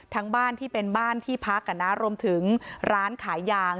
บ้านที่เป็นบ้านที่พักรวมถึงร้านขายยาง